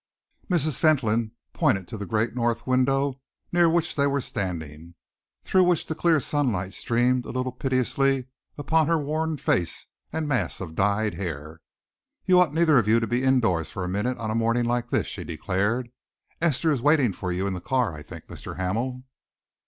Mrs. Fentolin pointed to the great north window near which they were standing, through which the clear sunlight streamed a little pitilessly upon her worn face and mass of dyed hair. "You ought neither of you to be indoors for a minute on a morning like this," she declared. "Esther is waiting for you in the car, I think, Mr. Hamel."